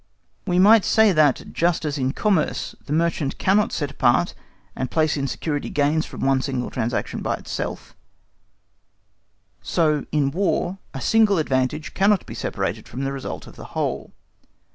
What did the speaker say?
We might say that, just as in commerce the merchant cannot set apart and place in security gains from one single transaction by itself, so in War a single advantage cannot be separated from the result of the whole.